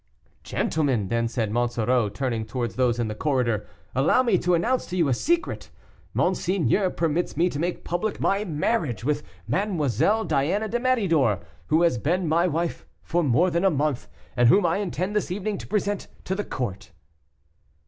"Gentlemen," then said Monsoreau, turning towards those in the corridor, "allow me to announce to you a secret; monseigneur permits me to make public my marriage with Mademoiselle Diana de Méridor, who has been my wife for more than a month, and whom I intend this evening to present to the court."